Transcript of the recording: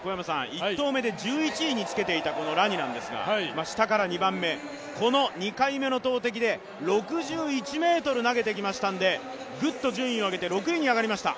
１投目で１１位につけていたラニなんですが下から２番目、この２回目の投てきで６１ｍ投げてきましたのでぐっと順位を上げて６位に来ました